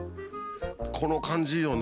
この感じいいよね。